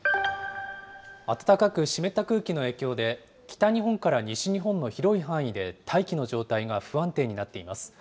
暖かく湿った空気の影響で、北日本から西日本の広い範囲で、大気の状態が不安定になっています。